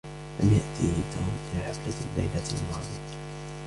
لم يأتي توم إلى الحفلة الليلة الماضية.